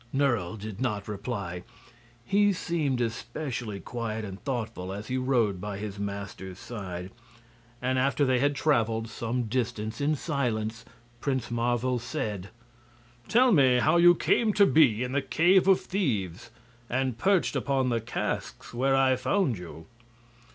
Nerle did not reply. He seemed especially quiet and thoughtful as he rode by his master's side, and after they had traveled some distance in silence Prince Marvel said: "Tell me how you came to be in the cave of thieves, and perched upon the casks where I found you."